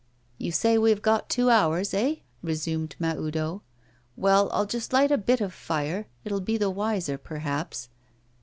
'You say we have got two hours, eh?' resumed Mahoudeau. 'Well, I'll just light a bit of fire; it will be the wiser perhaps.